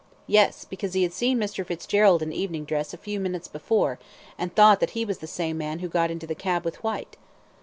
"Yes; because he had seen Mr. Fitzgerald in evening dress a few minutes before, and thought that he was the same man who got into the cab with Whyte."